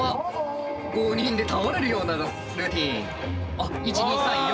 あっ１２３４。